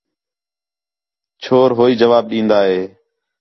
چھور ہوئی جواب ݙین٘دا ہِے